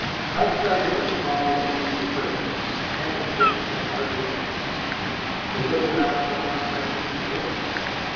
Outside of her small immediate circle Anna's death was hardly felt. The little house went on much as before.